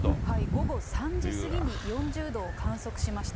午後３時過ぎに４０度を観測しました。